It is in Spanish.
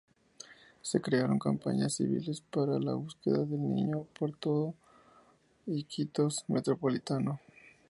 Se crearon campañas civiles para la búsqueda del niño por todo Iquitos Metropolitano.